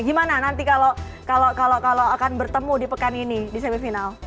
gimana nanti kalau akan bertemu di pekan ini di semifinal